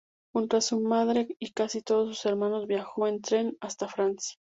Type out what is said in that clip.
Junto a su madre y casi todos sus hermanos viajó en tren hasta Francia.